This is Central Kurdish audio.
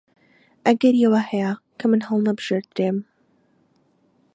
ئەگەری ئەوە هەیە کە من هەڵنەبژێردرێم.